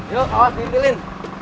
yuk awas diintilin